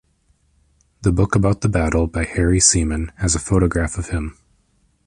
The book about the battle by Harry Seaman has a photograph of him.